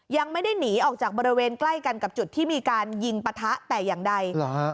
ยังไม่ได้หนีออกจากบริเวณใกล้กันกับจุดที่มีการยิงปะทะแต่อย่างใด